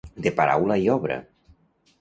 De paraula i obra.